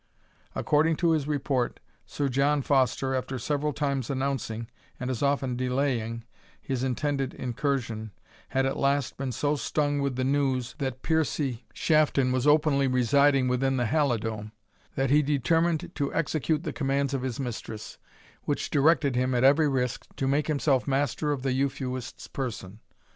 According to his report, Sir John Foster, after several times announcing, and as often delaying, his intended incursion, had at last been so stung with the news that Piercie Shafton was openly residing within the Halidome, that he determined to execute the commands of his mistress, which directed him, at every risk, to make himself master of the Euphuist's person.